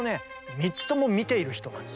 ３つとも見ている人なんです。